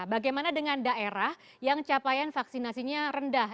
bagaimana dengan daerah yang capaian vaksinasinya rendah